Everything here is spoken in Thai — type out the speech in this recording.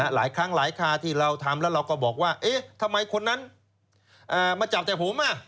หลายครั้งหลายคาที่เราทำแล้วเราก็บอกว่าเอ๊ะทำไมคนนั้นมาจับแต่ผม